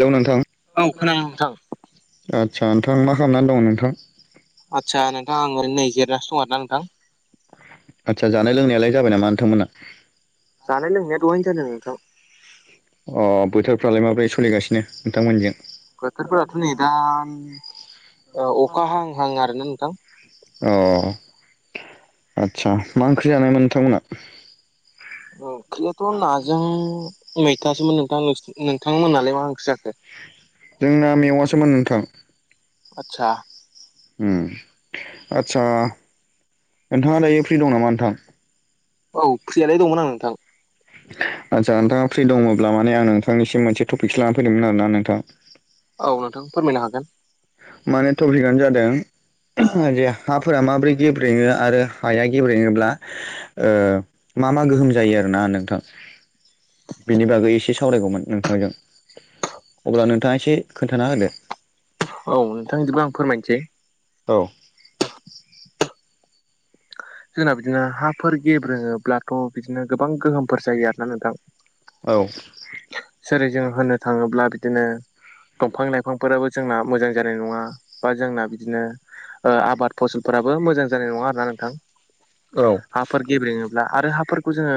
Hello नोंथां औ खोनादों नोंथां आदसा नोंथां मा खालामनानै दं नोंथां? आदसा नोंथां आं ओरैनो नै जिरायनानैसो दं आरो ना नोंथां। आदसा जानाय लोंनायालाय जाबाय नामा नोंथांमोनना? जानाय लोंनाया दहायनो जादों नोंथां। अ बोथोरफ्रालाय माब्रै सोलिगासिनो नोंथांमोनजों? बोथोरफोराथ' नै दा ओ अखा हां हां आरोना नोंथां। अ आदसा मा ओंख्रि जानायमोन नोंथांमोनहा? [unintelligible] ओंख्रियाथ' नाजों मैथासोमोन नोंसि नोंथां नोंथांमोन नालाय मा ओंख्रि जाखो? [unintelligible] जोंना मेउवासोमोन नोंथां। आतसा उम आदसा नोंथांङा दायो फ्रि दं नामा नोंथां? औ फ्रियालाय दंमोन आं नोंथां। आदसा नोंथांङा फ्रि दंङब्ला माने आं नोंथांनिसिम मोनसे टपिकसो लानानै फैदोंमोन आरो ना नोंथां। औ नोंथां फोरमायनो हागोन। माने टपिकआनो जादों उमहु हाफोरा माबोरै गेब्रेंङो आरो हाया गेब्रेंङोब्ला ओ मा मा गोहोम जायो आरोना नोंथां बेनि बागै एसे साव सावरायगौमोन नोंथांजों अब्ला नोंथांङा एसे खोन्थाना होदो। औ नोंथां इदिबा आं फोरमायनोसै औ जोंना बिदिनो हाफोर गेब्रेंङोब्लाथ' बिदिनो गोबां गोहोमफोर जायो आरोना नोंथां। औ जेरै जों होननो थांङोब्ला बिदिनो दंफां लाइफांफोराबो जोंना मोजां जानाय नंङा बा जोंना बिदिनो ओ आबाद फसलफोरा बो मोजां जानाय नंङा आरो ना नोंथां। औ हाफोर गेब्रेंङोब्ला आरो हाफोरखौ जोंङो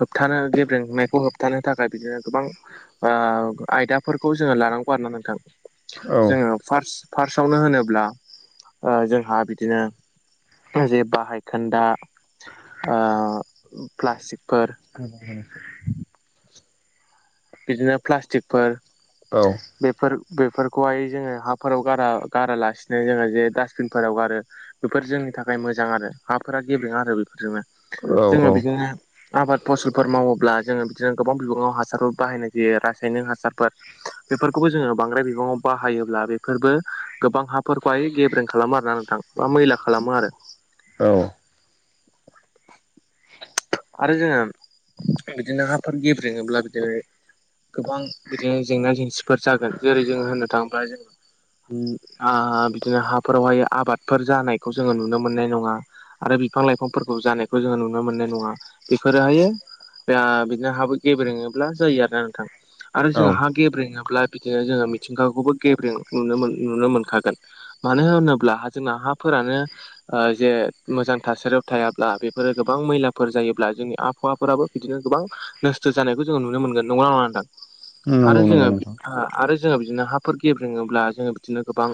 होबथानो गेब्रेंनायखौ होबथानो थाखाय बिदिनो गोबां ओ आयदाफोरखौ जोंङो लानांगौ आरोना नोंथां जोंङो फार्स फार्स्टआवनो होनोब्ला ओ जोंहा बिदिनो जे बाहायखोन्दा ओ प्लास्टिकफोर [inaudible] बिदिनो प्लास्टिकफोर औ बेफोर बेफोरखौहाय जोंङो हाफोराव गारा गारालासिनो जोंङो जे डासबिनफोराव गारो। बेफोर जोंनि थाखाय मोजां आरो हाफोरा गेब्रेेंङा आरो बेफोरजोंनो जोंङो बिदिनो आबाद फसलफोर मावोब्ला जोंङो बिदिनो गोबां बिबांङाव हासारफोर बाहायनाय जायो रासायनिक हासारफोर। बेफोरखौबो जोंङो बांद्राय बिबांङाव बाहायोब्ला बेफोरबो गोबां हाफोरखौहाय गेब्रें खालामो आरो ना नोंथां बा मैला खालामो आरो। औ आरो जोंङो बिदिनो हाफोर गेब्रेंङोब्ला बिदिनो गोबां बिदिनो जेंना जेंसिफोर जागोन जेरै जोंङो होननो थांङोब्ला जोंङो उम आ बिदिनो हाफोरावहाय आबादफोर जानायखौ जोङो नुनो मोननाय नङा। आरो बिफां लाइफांफोरखौ जानायखौ जोङो नुनो मोननाय नङा। बेफोरोहायो ओ बिदिनो हाबो गेब्रेङोब्ला जायो आरोना नोंथां। आरो जोंहा औ हा गेब्रेङाब्ला बिदिनो जोङो मिथिंगाखौबो गेब्रें नुनो मो नुनो मोनखागोन। मानो होनोब्ला जोंना हाफोरानो ओ जे मोजां थासारियाव थायाब्ला बेफोरो गोबां मैलाफोर जायोब्ला जोंनि आबहावाफोराबो बिदिनो गोबां नस्थ' जानायखौ जोङो नुनो मोनगोन। नंगैना नङा नोंथां? आरो नंगौ नंगौ जोङो नोंथां आरो जोङो बिदिनो हाफोर गेब्रेङोब्ला जोङो बिदिनो गोबां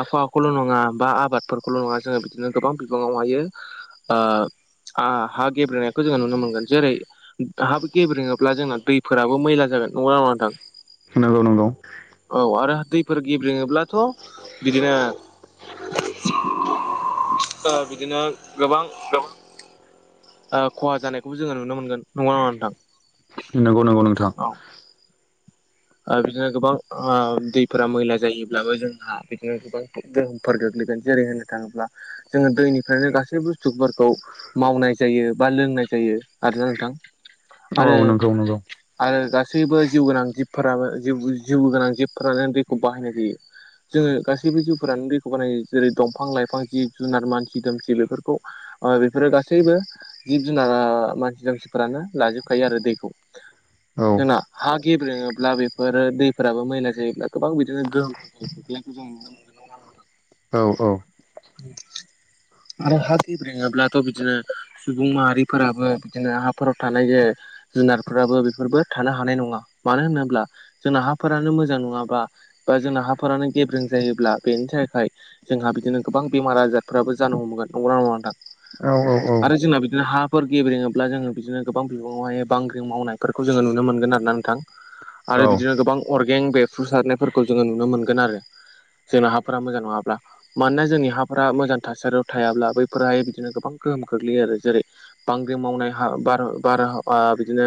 आबहावाखौल' नङा बा आबादफोरखौल' नङा जोङो बिदिनो गोबां बिबाङावहायो ओ हा गेब्रेंनायखौ जोङो नुनो मोनगोन। जेरै हा गेब्रेङोब्ला जोंना दैफोराबो मैला जागोन। नंगौना नङा नोंथां? नंगौ नंगौ औ आरो दैफोर गेब्रेङोब्लाथ' बिदिनो ओ बिदिनो गोबां [unintelligible] ओ खहा जानायखौबो जोङो नुनो मोनगोन। नंगौना नङा नोंथां? नंगौ नंगौ नोंथां औ ओ बिदिनो गोबां ओ दैफोरा मैला जायोब्लाबो जोंहा बिदिनो गोबां गोहोमफोर गोग्लैगोन जेरै होननो थाङोब्ला जोङो दैनिफ्रायनो गासै बुस्थुफोरखौ मावनाय जायो बा लोंनाय जायो आरो ना नोंथां औ आरो नंगौ नंगौ आरो गासैबो जिउ गोनां जिब फोराबो जिउ जिउ गोनां जिबफोरानो दैखौ बाहायनाय जायो। जोङो गासैबो जिउफोरानो दैखौ बाहायो। जेरै दंफां-लाइफां जिब-जुनार मानसि-दुमसि बेफोरखौ ओ बेफोरो गासैबो जिब-जुनारा मानसि दुमसिफोरानो लाजोबखायो आरो दैखौ। औ जोंना हा गेब्रेङो ब्ला बेफोरो दैफोराबो मैला जायोब्ला गोबां बिदिनो गोहोम खोख्लैनाय जों नुनो मोनो। औ औ आरो हा गेब्रेङोब्लाथ' बिदिनो सुबुं माहारिफोराबो बिदिनो हाफोराव थानाय जायो। जुनारफोराबो बेफोरबो थानो हानाय नंङा। मानो होनोब्ला जोंना हाफोरानो मोजां नङाबा बा जोंना हाफोरानो गेब्रें जायोब्ला बेनि थाखाय जोंहा बिदिनो गोबां बेमार आजारफोराबो जानो हमगोन। नंगौ ना नंङा नोंथां? औ आरो जोंना बिदिनो हाफोर गेब्रेङोब्ला जोंङो बिदिनो गोबां बिबाङावहाय बांग्रिं मावनायफोरखौ जोंङो नुनो मोनगोन आरो ना नों- थां औ आरो बिदिनो गोबां अरगें बेफ्रुसारनायफोरखौ जोंङो नुनो मोनगोन आरो। जोंना हाफोरा मोजां नंङाब्ला मानोना जोंनि हाफोरा मोजां थासारियाव थायाब्ला बैफोरहाय बिदिनो गोबां गोहोम गोग्लैयो आरो। जेरै बांग्रि मावनाय हा बार-बारहावा बिदिनो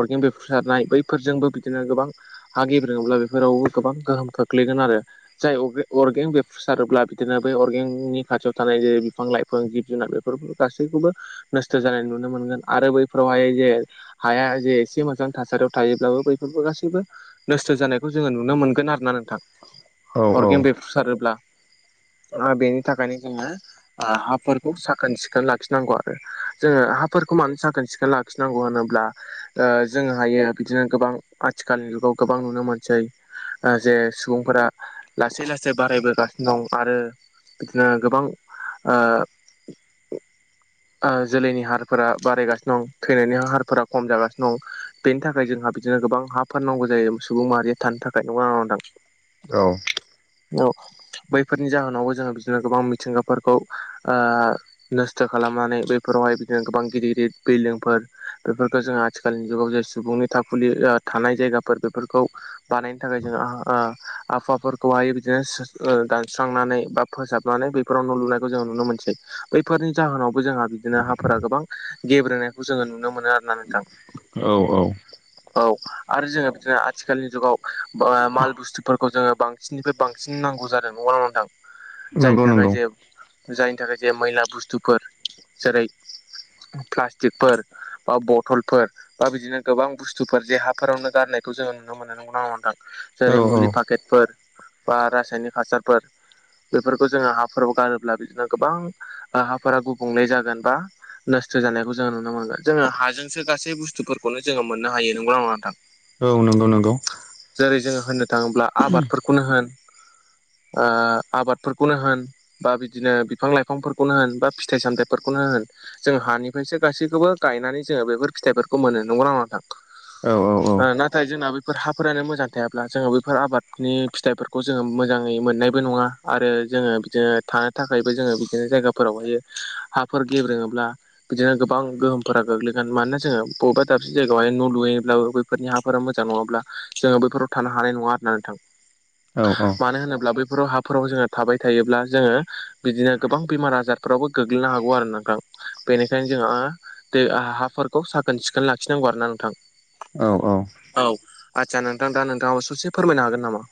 अरगें बेरफ्रुसारनाय बैफोरजोंबो बिदिनो गोबां हा गेब्रेङोब्ला बेफोरावबो गोबां गोहोम खोख्लैगोन आरो जाय अर-अरगें बेफ्रुसारोब्ला बिदिनो बै अरगेंनि खाथियाव थानाय जेरै बिफां-लाइफां जिब-जुनार बेफोर गासैखौबो नस्थ' जानाय नुनो मोनगोन आरो बैफोरावहाय जे हाया जे एसे मोजां थासारियाव थायोब्लाबो बैफोरबो गासैबो नस्थ' जानायखौ जोंङो नुनो मोनगोन आरो ना नोंथां। औ औ अरगें बेफ्रुसारोब्ला ओ बेनि थाखायनो जोंङो हाफोरखौ साखोन-सिखोन लाखिनांगौ आरो जोंङो हाफोरखौ मानो साखोन सिखोन ला- खिनांगौ होनोब्ला ओ जोंङो हायो बिदिनो गोबां आथिखाल जुगाव गोबां नुनो मोनसै। ओ जे सुबुंफोरा लासै लासै बारायबोगासिनो दं आरो बिदिनो गोबां ओ ओ जोलैनि हारफोरा बारायगासिनो दं थैनायनि हारफोरा खम जागासिनो दं। बेनि थाखाय जोंहा बिदिनो गोबां हा फाननांगौ जायो सुबुं माहारिया थानो थाखाय नंगौ ना नङा नोंथां? औ औ बैफोरनि जाहोनावबो जोङो बिदिनो गोबां मिथिंगाफोरखौ ओ नस्थ' खालामनानै बैफोरावहाय बिदिनो गोबां गिदिर गिदिर बिल्डिंफोर बेफोरखौ जों आथिखालनि जुगाव जे सुबुंनि थाखुलि थानाय जायगाफोर बेफोरखौ बानायनो थाखाय जों आ ओ आफाफोरखौहाय बिदिनो दानस्रांनानै बा फोसाबनानै बैफोराव न' लुनायखौ जोङो नुनो मोनसै बैफोरनि जाहोनावबो जोंहा बिदिनो हाफोरा गोबां गेब्रेनायखौ जोङो नुनो मोनो आरो ना नोंथां। औ औ औ आरो जोङो बिदिनो आथिखालनि जुगाव माल बुस्थुफोरखौ जोङो बां बिनिफ्राय बांसिन नांगौ जादों नंगौ ना नङा नोंथां? नंगौ जायनि थाखाय नंगौ जे जायनि थाखाय जे मैला बुस्थुफोर जेरै प्लास्टिकफोर बा बथलफोर बा बिदिनो गोबां बुस्थुफोर जे हाफोरावनो गारनायखौ जोङो नुनो मोनो नंगौना नङा नोंथां? औ जेरै औ मुलि पाकेटफोर बा रासायनिक हासारफोर बेफोरखौ जोङो हाफोराव गारोब्ला बिदिनो गोबां हाफोरा गुबुंले जागोन बा नस्थ' जानायखौ जोङो नुनो मोनगोन जोङो हाजोंसो गासै बुस्थुफोरखौनो जोङो मोननो हायो नंगौ नङा नोंथां? औ नंगौ नंगौ। जेरै जोङो होननो थाङोब्ला आबादफोरखौनो होन आ आबादफोरफोरखौनो होन बा बिदिनो बिफां लाइफांफोरखौनो होन बा फिथाइ सामथाइफोरखौनो होन जों हानिफ्रायसो गासैखौबो गायनानै जोङो बेफोर फिथाइफोरखौ मोनो नंगौना नङा नोंथां? औ औ औ नाथाय जोंना बैफोर हाफोरानो मोजां थायाब्ला जोङो बैफोर आबादनि फिथाइफोरखौ जोङो मोजाङै मोननाय बो नङा आरो जोङो बिदिनो थानो थाखायबो जोङो बिदिनो जायगाफोरावहायो हाफोर गेब्रेङोब्ला बिदिनो गोबां गोहोमफोरा गोग्लैगोन मानोना जोङो बबेबा दाबसे जायगायावहाय न' लुयोब्लाबो फोरनि हाफोरा मोजां नङाब्ला जोङो बैफोराव थानो हानाय नङा आरोना नोंथां। औ मानो होनोब्ला बै बेफोराव हाफोराव जोङो थाबाय थायोब्ला जोङो बिदिनो गोबां बेमार आजारफोरावबो गोग्लैनो हागौ आरो नोंथां। बेनिखायनो जोंहा दै हाफोरखौ साखोन सिखोन लाखिनांगौ आरोना नोंथां। औ औ औ औ आदसा नोंथां दा नोंथाङाबो ससे फोरमायनो हागोन नामा?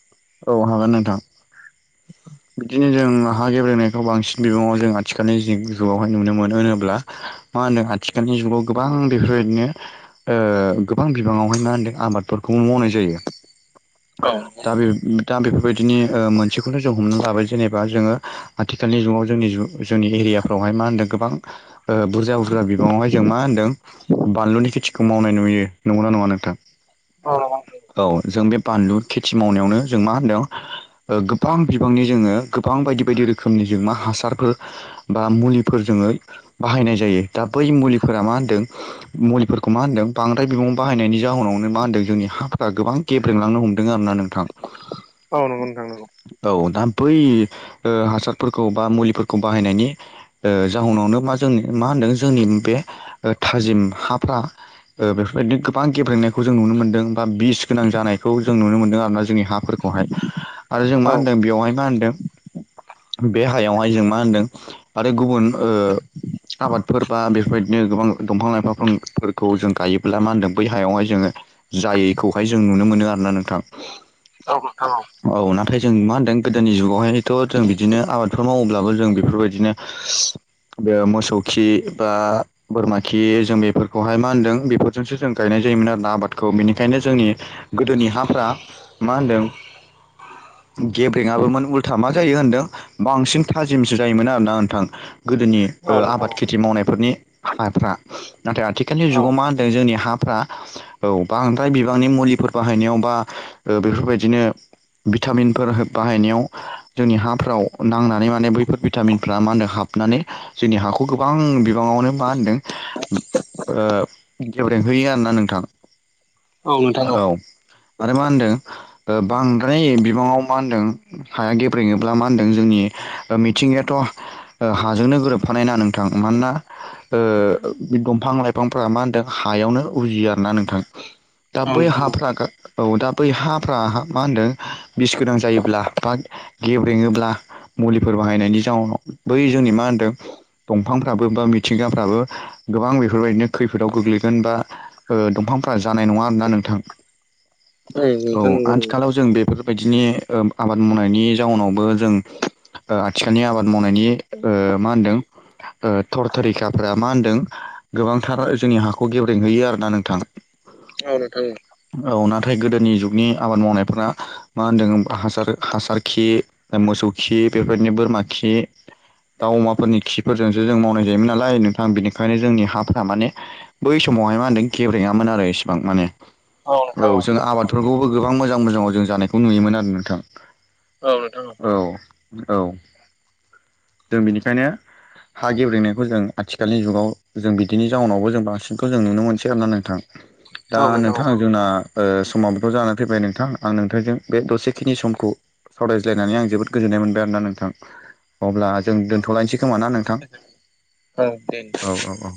औ हागोन नोंथां। औ बिदिनो जों हा गेब्रेनायखौ बांसिन बिबङाव जों आथिखालनि जिउआवहाय नुनो मोनो होनोब्ला मा होनो आथिखालनि जुगाव गोबां बेफोरबायदिनो ओ गोबां बिबाङावहाय मा होनदों आबादफोरखौ मावनाय जायो। औ दा बे दा बेफोरबायदिनि ओ मोनसेखौथ' जों हमनो हाबाय जेनेबा जोङो आथिखालनि जुगाव जोंनि जु-जोंनि एरियाफ्रावहाय मा होनदों गोबां ओ बुरजा बुरजा बिबाङावहाय जों मा होन्दों बानलुनि खेथिखौ मावनाय नुयो, नंगौना नङा नोंथां? औ जों बे बानलु खेथि मावनायावनो जों मा होनदों ओ गोबां बिबांनि जोङो गोबां बायदि बायदि रोखोमनि जों मा हासारफोर बा मुलिफोर जोङो बाहायनाय जायो दा बै मुलिफोरा मा होनदों मुलिफोरखौ मा होनदों बांद्राय बिबाङाव बाहायनायनि जाहोनावनो मा होनदों जोंनि हाफोरा गोबां गेब्रेलांनो हमदों आरो ना नोंथां। औ नंगौ नोंथां नंगौ। औ दा बै ओ हासारफोरखौ बा मुलिफोरखौ बाहायनायनि जाहोनावनो मा जोंनि मा होनदों जोंनि बे थाजिम हाफ्रा बेफोरबायदि गोबां गेब्रेंनायखौ जों नुनो मोन्दों बा बिस गोनां जानायखौ जों नुनो मोनदों आरोना जोंनि हाफोरखौ। बहाय आरो जों औ मा होनदों बेयावहाय मा होनदों बे हायावहाय जों मा होनदों आरो गुबुन ओ आबादफोर बा बेफोरबायदिनो गोबां दंफां लाइफां लाइफांफोरखौ जों गायोब्ला मा होनदों बै हायावहाय जोङो जायैखौहाय जों नुनो मोनो आरोना नोंथां। औ औ औ नाथाय जों मा होनदों गोदोनि जुगावहायथ' जों बिदिनो आबादफोर मावोब्लाबो जों बेफोरबायदिनो बे मोसौ खि बा बोरमा खि जों बेफोरखौहाय मा होनदों बेफोरजोंसो जों गायनाय जायोमोन आर ना आबादखौ बेनिखायनो जोंनि गोदोनि हाफ्रा मा होनदों गेब्रेङाबोमोन उल्था मा जायो होनदों बांसिन थाजिमसो जायोमोन आरोना नोंथां। गोदोनि आबाद खेथि मावनायफोरनि हाबाफ्रा नाथाय आथिखालनि जुगाव मा होन दों जोंनि हाफ्रा औ बांद्राय बिबांनि मुलिफोर बाहायनायाव बा बेफोरबायदिनो भिटामिन फोर बाहायनायाव जोंनि हाफ्राव नांनानै माने बैफोर भिटामिनफ्रा मा होनो हाबनानै जोंनि हाखौ गोबां बिबाङावनो मा होनदों गेब्रेंहोयो आरोना नोंथां। औ। माने मा होनदों बांद्राय बिबाङाव मा होनदों हाया गेब्रेङोब्ला मा होनदों जोंनि मिथिंगायाथ' हाजोंनो गोरोबफानायना नोंथां। मानोना ओ दंफां-लाइफांफ्रा मा होनदों हायावनो उजियो आरोना नोंथां। दा औ बै नोंथां हाफ्रा औ दा बै हाफ्रा मा होन्दों बिस गोनां जायोब्ला बा गेब्रेङोब्ला मुलिफोर बाहायनायनि जाउनाव बै जोंनि मा होनदों दंफांफ्राबो बा मिथिंगाफ्राबो गोबां बेफोरबायदिनो खैफोदाव गोग्लैगोन बा ओ दंफांफ्रा जानाय नङा होमब्ला नोंथां। औ नोंथां नंगौ नंगौ आथिखालाव जों बेफोर बदिनो आबाद मावनायनि जाउनावबो जों ओ आथिखालनि आबाद मावनायनि ओ मा होनदों ओ थर थरिखाफ्रा मा होनदों गोबांथार जोंनि हाखौ गेब्रेंहैयो आर ना नोंथां। औ नोंथां। औ नाथाय गोदोनि जुगनि आबाद मावनायफोरा मा होन्दों हासार हासार खि मोसौ खि बेफोरबायदिनो बोरमा खि दाउ अमाफोरनि खिफोरजोंसो जों मावनाय जायोमोन नालाय नोंथां बेनिखायनो जोंनि हाफ्रा माने बै समावहाय मा होनदों गेब्रेङामोन आरो इसेबां माने औ जों आबादफोरखौबो गोबां मोजां मोजाङाव जों जानायखौ नुयोमोन आरो ना। थां औ नोंथां औ औ। जों बेनिखायनो हा गेब्रेंनायखौ जों आथिखालनि जुगाव जों बिदिनि जाउनावबो जों बांसिनखौ जों नुनो मोनसै आरोना नोंथां। दा औ औ नोंथां जोंना ओ समावथ' जानानै फैबाय नोंथां आं नोंथांजों बे दसे बेखिनि समखौ सावरायज्लायनानै आं जोबोद गोजोननाय मोनबाय आरोना नोंथां। अब्ला जों दोन्थ'लायनोसै खोमा ना नोंथां? औ दे। औ औ औ